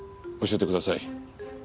教えてください。